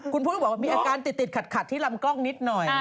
คุณพุทธก็บอกว่ามีอาการติดขัดที่ลำกล้องนิดหน่อย